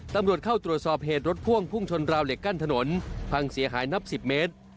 ตำรวจเข้าตรวจสอบเหตุรถพ่วงพุ่งชนราวเหล็กกั้นถนนพังเสียหายนับ๑๐เมตร